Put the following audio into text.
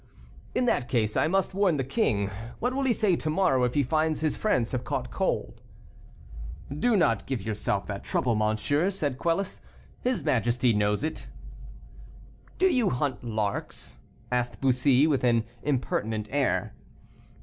"In that case I must warn the king; what will he say to morrow, if he finds his friends have caught cold?" "Do not give yourself that trouble, monsieur," said Quelus, "his majesty knows it." "Do you hunt larks?" asked Bussy, with an impertinent air.